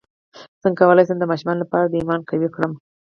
څنګه کولی شم د ماشومانو لپاره د ایمان قوي کړم